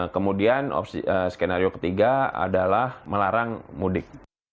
kemudian skenario ketiga adalah melarang mudik